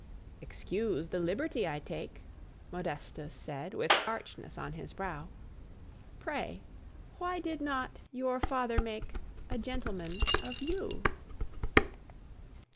"Excuse the liberty I take," Modestus said, with archness on his brow, "Pray, why did not your father make A gentleman of you?"